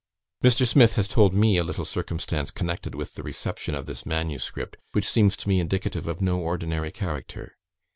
Mr. Smith has told me a little circumstance connected with the reception of this manuscript, which seems to me indicative of no ordinary character.